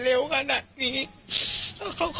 ต่างฝั่งในบอสคนขีดบิ๊กไบท์